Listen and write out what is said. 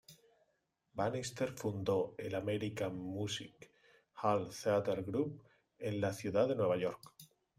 Bannister fundó el American Music Hall Theatre Group en la ciudad de Nueva York.